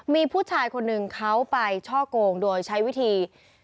มีผู้ชายคนหนึ่งเขาไปช่อกงโดยใช้วิธี